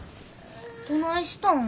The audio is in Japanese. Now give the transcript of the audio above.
どないしたん？